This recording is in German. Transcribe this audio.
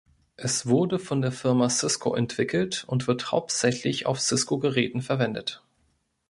Es wurde von der Firma Cisco entwickelt und wird hauptsächlich auf Cisco-Geräten verwendet.